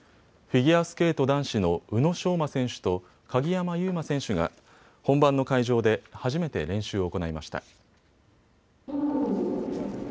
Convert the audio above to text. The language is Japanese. フィギュアスケート男子の宇野昌磨選手と鍵山優真選手が本番の会場で初めて練習を行いました。